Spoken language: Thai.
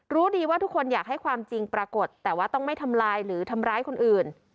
รู้ดีว่าทุกคนอยากให้ความจริงปรากฏแต่ว่าต้องไม่ทำลายหรือทำร้ายคนอื่น